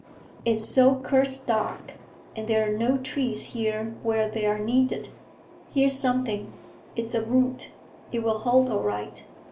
It's so cursed dark, and there are no trees here where they're needed. Here's something; it's a root. It will hold all right."